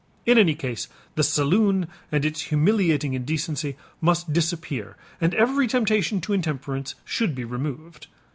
In any case the saloon and its humiliating indecency must disappear and every temptation to intemperance should be removed.